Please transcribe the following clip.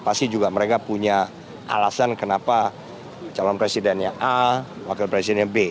pasti juga mereka punya alasan kenapa calon presidennya a wakil presidennya b